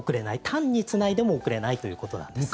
単につないでも送れないということなんです。